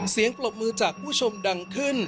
ปรบมือจากผู้ชมดังขึ้น